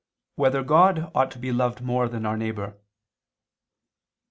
2] Whether God Ought to Be Loved More Than Our Neighbor?